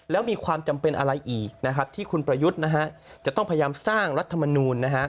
แล้วมีความจำเป็นอะไรอีกนะครับที่คุณประยุทธ์จะต้องพยายามสร้างรัฐมนูล